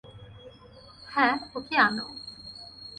হ্যাঁ, ওকে আনো।